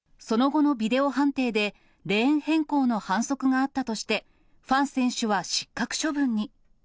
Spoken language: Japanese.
その後のビデオ判定で、レーン変更の反則があったとして、ファン選手は失格処分に。